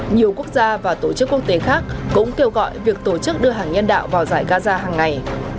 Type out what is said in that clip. nhiều quốc gia và tổ chức quốc tế khác cũng kêu gọi việc tổ chức đưa hàng nhân đạo vào giải gaza hằng ngày